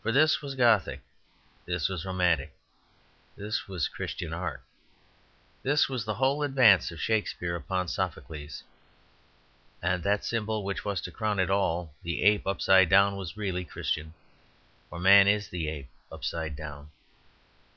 For this was Gothic, this was romantic, this was Christian art; this was the whole advance of Shakespeare upon Sophocles. And that symbol which was to crown it all, the ape upside down, was really Christian; for man is the ape upside down.